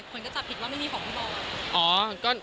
คนก็จับผิดว่าไม่มีของพี่บอย